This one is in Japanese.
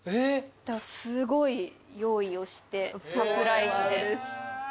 すごい用意をしてサプライズで。